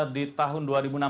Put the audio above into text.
di tahun dua ribu enam belas